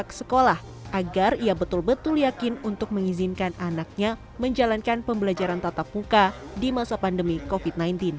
pihak sekolah agar ia betul betul yakin untuk mengizinkan anaknya menjalankan pembelajaran tatap muka di masa pandemi covid sembilan belas